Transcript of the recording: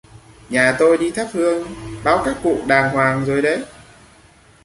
Nhà tôi đi thắp Hương báo các cụ đàng hoàng rồi đấy